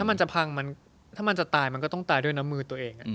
มันจะพังถ้ามันจะตายมันก็ต้องตายด้วยน้ำมือตัวเอง